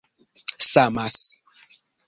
samas